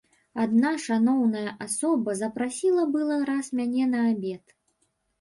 Адна шаноўная асоба запрасіла была раз мяне на абед.